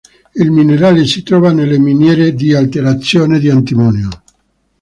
Il minerale si trova nelle miniere di alterazione di antimonio.